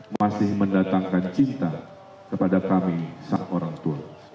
masih mendatangkan cinta kepada kami sang orang tua